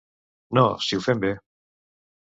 No, si ho fem bé.